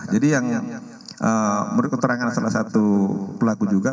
jadi yang menurut keterangan salah satu pelaku juga